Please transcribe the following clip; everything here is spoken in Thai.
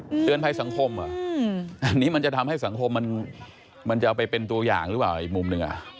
เตือนภัยสังคมเหรออันนี้มันจะทำให้สังคมมันมันจะเอาไปเป็นตัวอย่างหรือเปล่าอีกมุมหนึ่งอ่ะ